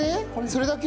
それだけ？